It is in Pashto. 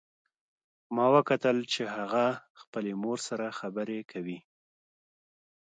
ما وکتل چې هغه خپلې مور سره خبرې کوي